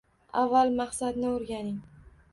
Avval maqsadni o‘rganing.